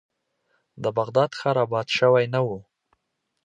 د بغداد ښار آباد شوی نه و.